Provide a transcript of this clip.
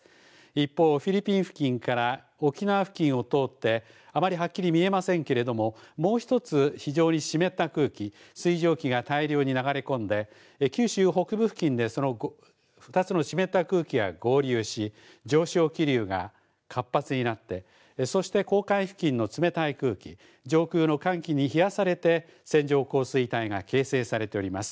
一方、フィリピン付近から沖縄付近を通ってあまりはっきり見えませんけれども、もう１つ非常に湿った空気、水蒸気が大量に流れ込んで、九州北部付近でその２つの湿った空気が合流し、上昇気流が活発になって、そして黄海付近の冷たい空気、上空の寒気に冷やされて線状降水帯が形成されております。